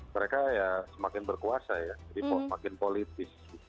mereka ya semakin berkuasa ya jadi makin politis